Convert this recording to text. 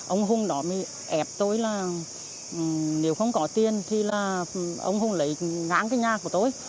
ông hùng đó mới ép tôi là nếu không có tiền thì là ông hùng lấy ngang cái nhà của tôi